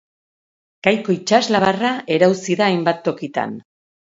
Kaiko itsaslabarra erauzi da hainbat tokitan.